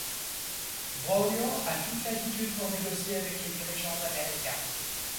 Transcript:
Broglio a toute latitude pour négocier avec les dirigeants américains.